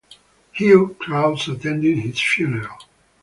Huge crowds attended his funeral.